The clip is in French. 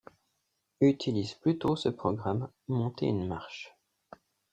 utilise plutôt ce programme «monter une marche.